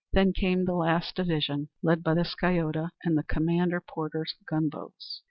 Then came the last division, led by the Sciota, and Commander Porter's gunboats.